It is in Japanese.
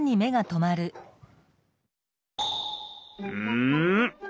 うん！？